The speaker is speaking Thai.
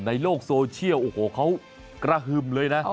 ในโลกโซเชียลเขากระฮึมเลยนะ